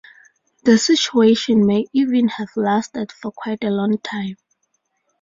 The situation may even have lasted for quite a long time.